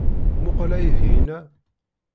Mmuqqel aydi-inna.